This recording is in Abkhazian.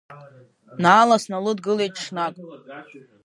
Наала сналыдгылеит ҽнак.